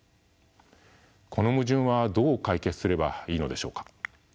この矛盾はどう解決すればいいのでしょうか。